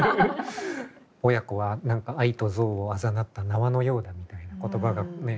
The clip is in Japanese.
「親子は愛と憎悪をあざなった縄のようだ」みたいな言葉がね